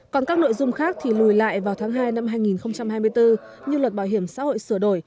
còn các nội dung khác thì lùi lại vào tháng hai năm hai nghìn hai mươi bốn như luật bảo hiểm xã hội sửa đổi